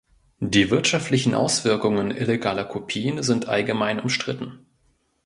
Die wirtschaftlichen Auswirkungen illegaler Kopien sind allgemein umstritten.